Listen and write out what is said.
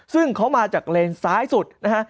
ซึ่งเขามาจากเลนซ้ายสุดนะฮะ